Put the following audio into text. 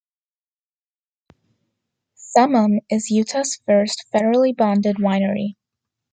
Summum is Utah's first federally bonded winery.